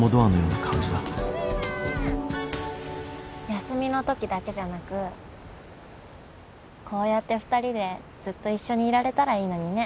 休みのときだけじゃなくこうやって２人でずっと一緒にいられたらいいのにね。